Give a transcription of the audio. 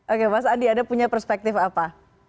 oke mas andi anda punya perspektif apa